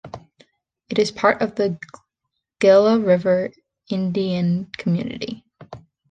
It is part of the Gila River Indian Community.